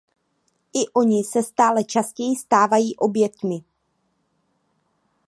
I oni se stále častěji stávají oběťmi.